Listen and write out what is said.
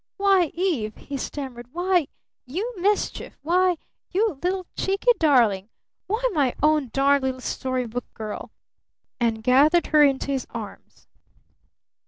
"Why, Eve!" he stammered. "Why, you mischief! Why, you little cheeky darling! Why, my own darned little Story Book Girl!" And gathered her into his arms.